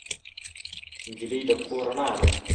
نجلۍ د کور رڼا ده.